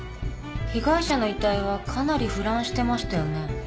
被害者の遺体はかなり腐乱してましたよね？